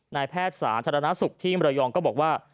นายแพทย์สาธารณสุขที่มรยองก็บอกว่า